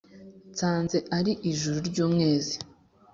nsanze ari ijuru ry’umwezi